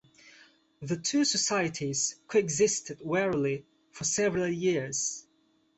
The two societies co-existed warily for several years.